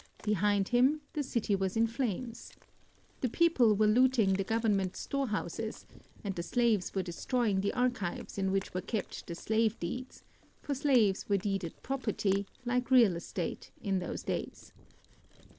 Behind him the city was in flames. The people were looting the Govern ment storehouses, and the slaves were destroying the archives in which were kept the slave deeds; for slaves were deeded property, like real estate, in those days.